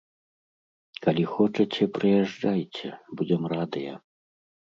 Калі хочаце, прыязджайце, будзем радыя.